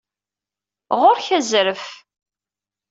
Ɣuṛ-k azref.